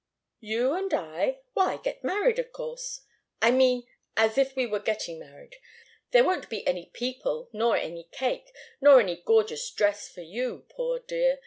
"You and I? Why, get married, of course I mean as if we were getting married. There won't be any people nor any cake, nor any gorgeous dress for you poor dear!